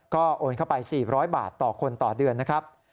ก็โอนเข้าไป๔๐๐บาทต่อคนต่อเดือนนะครับ